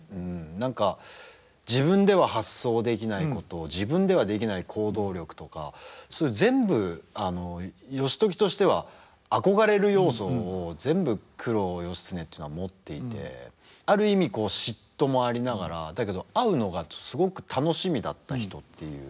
何か自分では発想できないことを自分ではできない行動力とかそういう全部義時としては憧れる要素を全部九郎義経っていうのは持っていてある意味嫉妬もありながらだけど会うのがすごく楽しみだった人っていう。